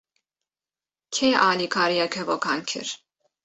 Kê alîkariya kevokan kir?